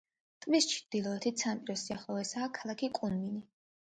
ტბის ჩრდილოეთ სანაპიროს სიახლოვესაა ქალაქი კუნმინი.